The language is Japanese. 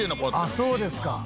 そうですか。